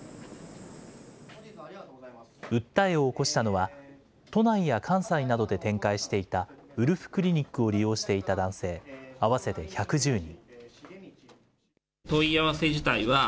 訴えを起こしたのは、都内や関西などで展開していたウルフクリニックを利用していた男性、合わせて１１０人。